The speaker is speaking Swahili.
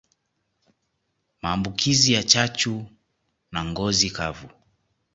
Maambukizi ya chachu na ngozi kavu